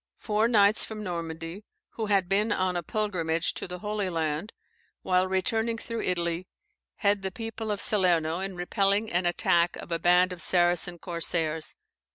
Four knights from Normandy, who had been on a pilgrimage to the Holy Land, while returning through Italy, head the people of Salerno in repelling an attack of a band of Saracen corsairs.